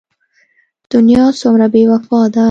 دنيا څومره بې وفا ده.